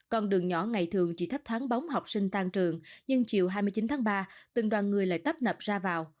con đường nhỏ ngày thường chỉ thấp thoáng bóng học sinh tan trường nhưng chiều hai mươi chín tháng ba từng đoàn người lại tấp nập ra vào